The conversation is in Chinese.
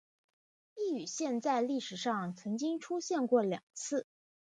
刈羽郡在历史上曾经出现过两次。